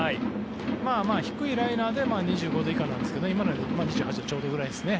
低いライナーで２５度以下なんですが今のは２８度ちょうどくらいですね。